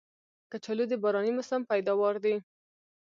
کچالو د باراني موسم پیداوار دی